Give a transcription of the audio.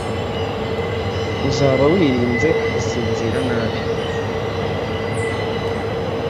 uzaba wirinze gusinzira nabi